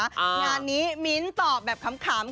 อ้าวงานนี้มิ้นตอบแบบขำค่ะ